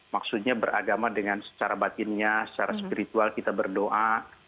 maksudnya beragama dengan secara batinnya secara spiritual kita berdoa